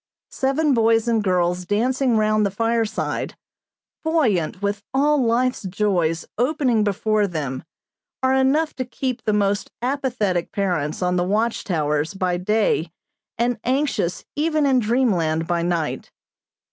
Seven boys and girls dancing round the fireside, buoyant with all life's joys opening before them, are enough to keep the most apathetic parents on the watch towers by day and anxious even in dreamland by night.